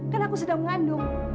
kan aku sedang mengandung